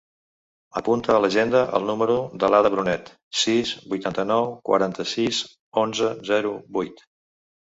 Apunta a l'agenda el número de l'Ada Brunet: sis, vuitanta-nou, quaranta-sis, onze, zero, vuit.